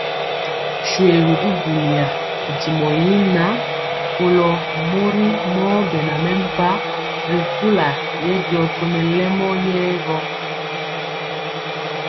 Shoégu buliya, ntimɔ yi ŋan, kɔlo mori mɔ bɛna mɛmpah ri kula yɛ diɔ tɔlemɔ yɛɛ gɔ.